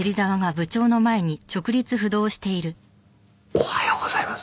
おはようございます。